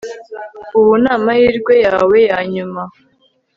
Ubu ni amahirwe yawe yanyuma